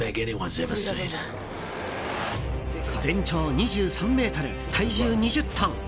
全長２３ｍ、体重２０トン。